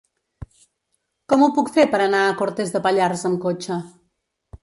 Com ho puc fer per anar a Cortes de Pallars amb cotxe?